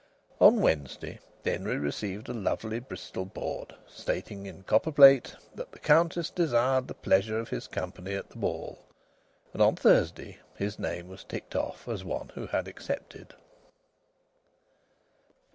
On Wednesday Denry received a lovely Bristol board, stating in copper plate that the Countess desired the pleasure of his company at the ball; and on Thursday his name was ticked off as one who had accepted.